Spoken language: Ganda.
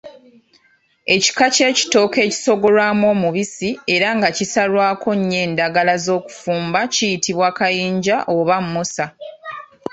Ekika ky’ekitooke ekisogolwamu omubisi era nga kisalwako nnyo endagala z’okufumba kiyitibwa Kayinja oba Mmusa.